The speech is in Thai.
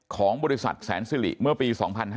ของบริษัทแสนสิริเมื่อปี๒๕๕๙